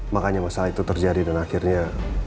makanya masalah itu terjadi dan akhirnya